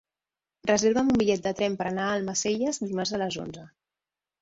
Reserva'm un bitllet de tren per anar a Almacelles dimarts a les onze.